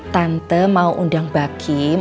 tante mau undang mbak kim